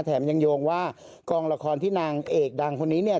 แถมยังโยงว่ากองละครที่นางเอกดังคนนี้เนี่ย